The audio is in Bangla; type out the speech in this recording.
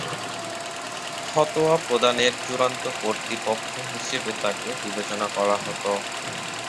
ফতোয়া প্রদানের চূড়ান্ত কর্তৃপক্ষ হিসেবে তাকে বিবেচনা করা হত।